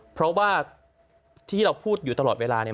เพราะว่าที่เราพูดอยู่ตลอดเวลาเนี่ย